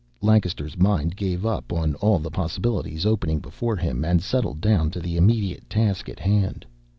Lancaster's mind gave up on all the possibilities opening before him and settled down to the immediate task at hand.